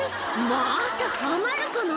またはまるかな？」